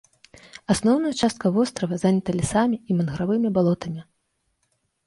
Асноўная частка вострава занята лясамі і мангравымі балотамі.